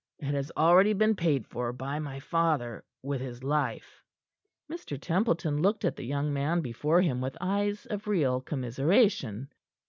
It has already been paid for by my father with his life." Mr. Templeton looked at the young man before him with eyes of real commiseration.